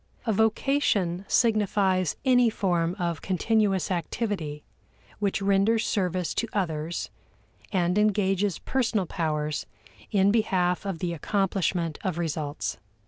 A vocation signifies any form of continuous activity which renders service to others and engages personal powers in behalf of the accomplishment of results.